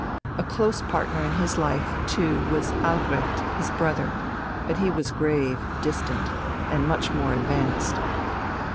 A close partner in his life, too, was Albrecht, his brother; but he was grave, distant, and much more advanced.